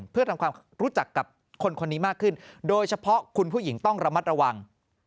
เพื่อทำความรู้จักกับคนคนนี้มากขึ้นโดยเฉพาะคุณผู้หญิงต้องระมัดระวัง